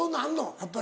やっぱり。